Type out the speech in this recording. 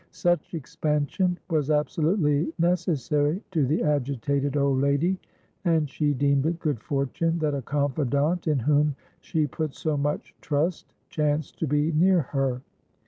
Such expansion was absolutely necessary to the agitated old lady, and she deemed it good fortune that a confidante in whom she put so much trust chanced to be near her.